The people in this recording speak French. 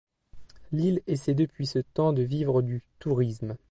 L'île essaie depuis ce temps de vivre du tourisme.